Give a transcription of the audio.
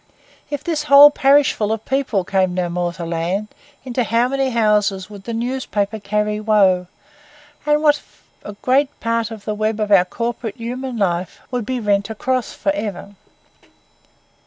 If this whole parishful of people came no more to land, into how many houses would the newspaper carry woe, and what a great part of the web of our corporate human life would be rent across for ever!